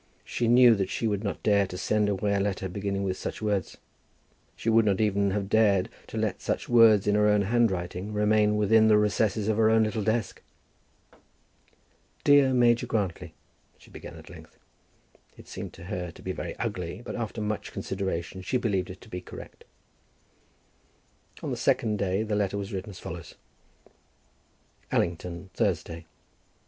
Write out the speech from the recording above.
She knew that she would not dare to send away a letter beginning with such words. She would not even have dared to let such words in her own handwriting remain within the recesses of her own little desk. "Dear Major Grantly," she began at length. It seemed to her to be very ugly, but after much consideration she believed it to be correct. On the second day the letter was written as follows: Allington, Thursday.